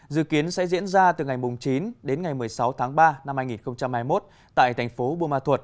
dự kiến sẽ diễn ra từ ngày chín đến ngày một mươi sáu tháng ba năm hai nghìn hai mươi một tại thành phố buôn ma thuột